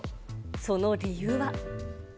その理由は。